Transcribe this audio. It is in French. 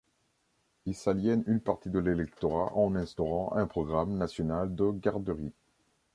Il s'aliène une partie de l'électorat en instaurant un programme national de garderie.